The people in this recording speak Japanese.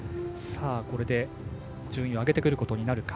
これで順位を上げてくることになるか。